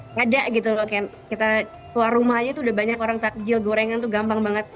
nggak ada gitu loh kayak kita keluar rumah aja tuh udah banyak orang takjil gorengan tuh gampang banget